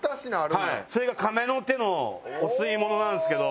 それが亀の手のお吸い物なんですけど。